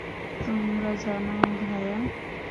তোমরা জানো, ভায়া।